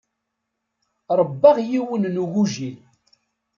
Ṛebbaɣ yiwen n ugujil.